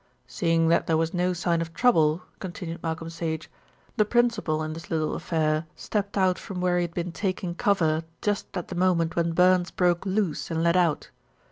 "Seeing that there was no sign of trouble," continued Malcolm Sage, "the principal in this little affair stepped out from where he had been taking cover just at the moment when Burns broke loose and let out.